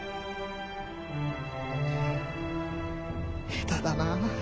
下手だな。